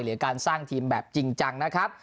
หรือการสร้างทีมแบบจริงจังนะครับ